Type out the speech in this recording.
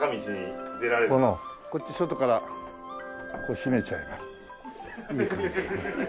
こっち外からこれ閉めちゃえば。